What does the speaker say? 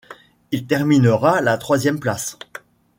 Il terminera à la troisième place.